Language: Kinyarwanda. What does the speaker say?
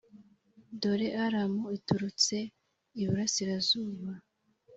Dore Aramu iturutse iburasirazuba,